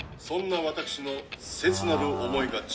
そんな私の切なる思いが。